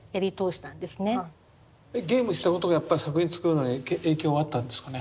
えっゲームしたことがやっぱ作品作るのに影響はあったんですかね？